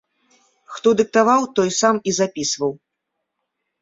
Хто дыктаваў, той сам і запісваў.